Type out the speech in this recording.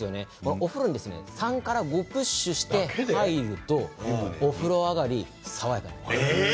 お風呂に３から５プッシュして入るとお風呂上がり爽やかです。